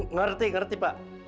ngerti ngerti pak